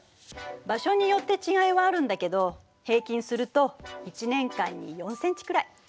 場所によって違いはあるんだけど平均すると１年間に４ｃｍくらい。